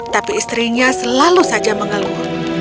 tapi istrinya selalu saja mengeluh